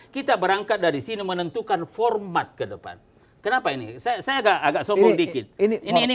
kita berangkat dari sini menentukan format ke depan kenapa ini saya agak agak sombong dikit ini ini